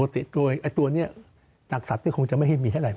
เพราะว่าปกติตัวนี้จากสัตว์คงจะไม่ให้มีเท่าไร